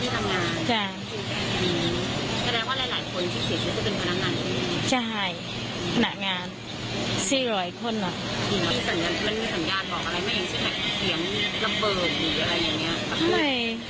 มีสัญญาณบอกอะไรไหมใช่ไหมเพราะเสียงระเบิดหรืออะไรอย่างนี้